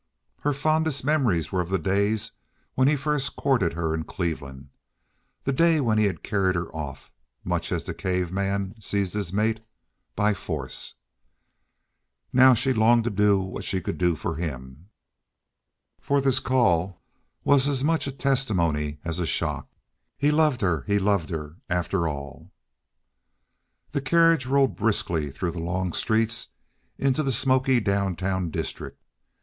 Her fondest memories were of the days when he first courted her in Cleveland—the days when he had carried her off, much as the cave man seized his mate—by force. Now she longed to do what she could for him. For this call was as much a testimony as a shock. He loved her—he loved her, after all. The carriage rolled briskly through the long streets into the smoky down town district.